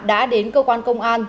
đã đến cơ quan công an